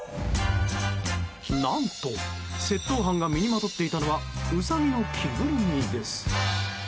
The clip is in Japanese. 何と、窃盗犯が身にまとっていたのはウサギの着ぐるみです。